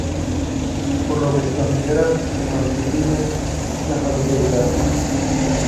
Por lo que se considera que constituyen una familia aislada.